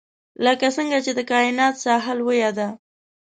لکه څنګه چې د کاینات ساحه لوی ده.